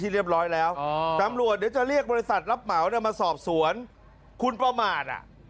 รับเหมาสอบสวนคุณป้าหม่าด